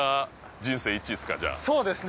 そうです